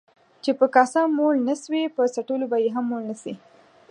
چي په کاسه موړ نسوې ، په څټلو به يې هم موړ نسې.